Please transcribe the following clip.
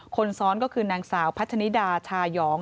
คนซ้อนก็คือนางสาวพัชนิดาชายอง